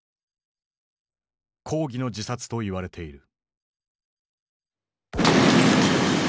抗議の自殺といわれている。